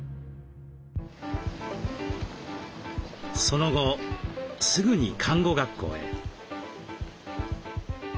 その後すぐに看護学校へ。